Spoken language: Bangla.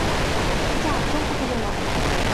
এটা একদম পুতুলের মতো!